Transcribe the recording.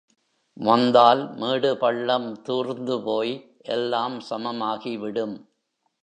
வந்தால் மேடு பள்ளம் தூர்ந்து போய் எல்லாம் சமமாகிவிடும்.